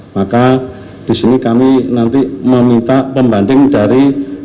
maka disini kami nanti meminta pembanding dari